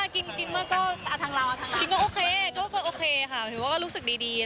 กินเมื่อกี้ก็โอเคค่ะถึงว่ารู้สึกดี